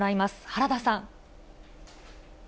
原田さん。